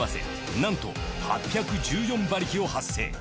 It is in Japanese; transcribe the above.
なんと８１４馬力を発生。